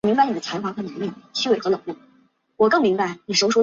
主角壹岐正的原型是曾任大本营作战参谋的。